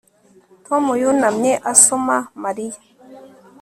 Tom yunamye asoma Mariya